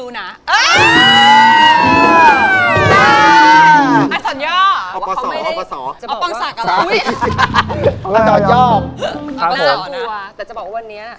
หน่าห่อแต่จะบอกว่าวันนี้